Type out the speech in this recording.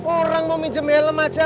orang mau minjem helm aja